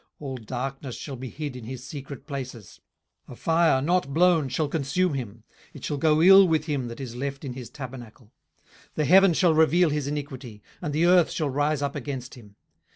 18:020:026 All darkness shall be hid in his secret places: a fire not blown shall consume him; it shall go ill with him that is left in his tabernacle. 18:020:027 The heaven shall reveal his iniquity; and the earth shall rise up against him.